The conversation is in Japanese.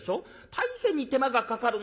大変に手間がかかるんですよ。